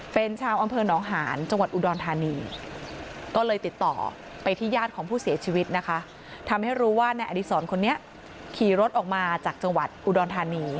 เป็นชาวอำเพิงหนองหานจังหวัดอุดรณฑานี